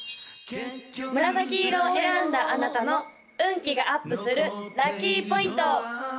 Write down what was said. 紫色を選んだあなたの運気がアップするラッキーポイント！